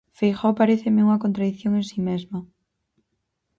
Feijóo paréceme unha contradición en si mesma.